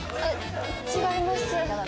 違います。